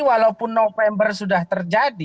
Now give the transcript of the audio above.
jadi walaupun november sudah terjadi